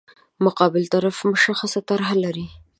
مقابل طرف مشخصه طرح لري.